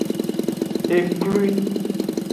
Eklwi.